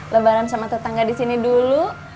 lebaran sama tetangga disini dulu